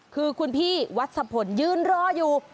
คือคุณพี่วัชพลยืนรออยู่